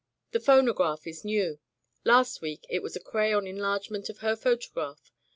The phonograph is new. Last week it was a crayon enlargement of her photograph.